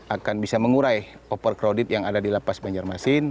akan bisa mengurai overcrowded yang ada di lapas banjarmasin